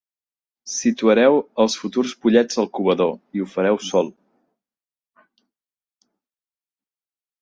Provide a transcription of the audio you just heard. Situareu els futurs pollets al covador, i ho fareu sol.